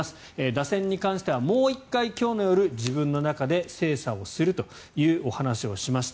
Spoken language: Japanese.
打線に関してはもう１回、今日の夜、自分の中で精査をするというお話をしました